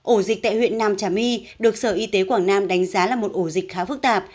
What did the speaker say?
ổ dịch tại huyện nam trà my được sở y tế quảng nam đánh giá là một ổ dịch khá phức tạp